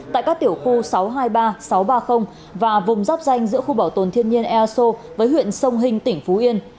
tại các tiểu khu sáu trăm hai mươi ba sáu trăm ba mươi và vùng dắp danh giữa khu bảo tồn thiên nhân e a s o với huyện sông hình tỉnh phú yên